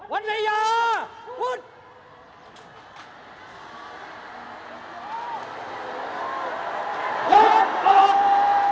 วัฒนิยาพุทธ